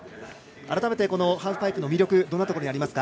改めてハーフパイプの魅力